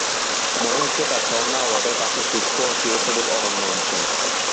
মনে হচ্ছে তা ঝর্ণা ও হ্রদের পাশের শুষ্ক ও চিরসবুজ অরণ্য অঞ্চল।